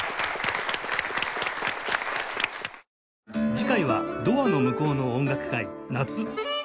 次回は「ドアの向こうの音楽会夏」